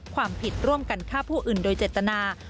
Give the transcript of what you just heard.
ความผิดร่วมกันฆ่าผู้อื่นโดยเจตนา